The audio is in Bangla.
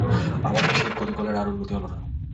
আমাদের সেই কদুকলের আর উন্নতি হল না।